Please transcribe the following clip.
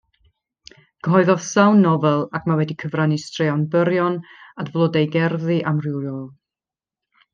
Cyhoeddodd sawl nofel ac mae wedi cyfrannu straeon byrion at flodeugerddi amrywiol.